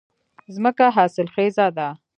ځمکه حاصلخېزه ده